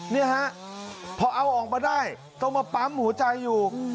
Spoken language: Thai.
นี่ฮะพอเอาออกมาได้ต้องมาปั๊มหัวใจอยู่